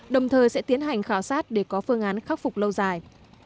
đồng thời sẽ tiến hành khảo sát để có phương án khắc phục lâu dài